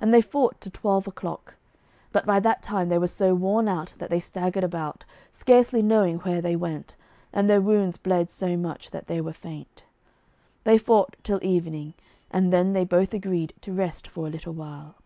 And they fought till twelve o'clock. But by that time they were so worn out that they staggered about, scarcely knowing where they went, and their wounds bled so much that they were faint. They fought till evening, and then they both agreed to rest for a little while.